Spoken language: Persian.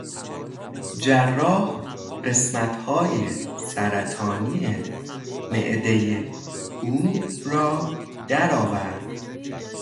جراح قسمتهای سرطانی معدهی او را درآورد.